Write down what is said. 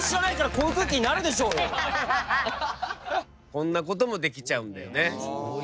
こんなこともできちゃうんだよね。